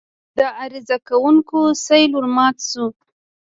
د عریضه کوونکو سېل ورمات شو.